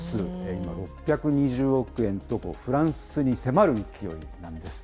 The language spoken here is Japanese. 今６２０億円と、フランスに迫る勢いなんです。